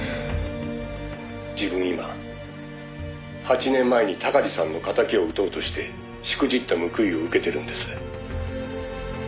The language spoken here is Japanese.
「自分今８年前に鷹児さんの敵を討とうとしてしくじった報いを受けてるんです」